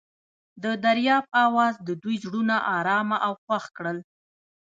د دریاب اواز د دوی زړونه ارامه او خوښ کړل.